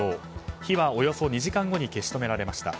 火はおよそ２時間後に消し止められました。